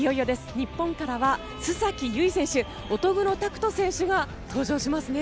日本からは須崎優衣選手、乙黒拓斗選手が登場しますね。